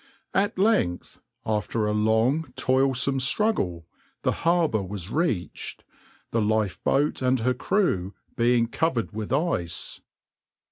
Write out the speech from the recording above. At length, after a long, toilsome struggle, the harbour was reached, the lifeboat and her crew being covered with ice.